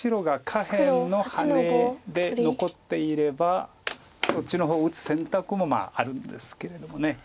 黒８の五取り残っていればそっちの方打つ選択もあるんですけれども。